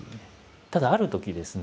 ただあるときですね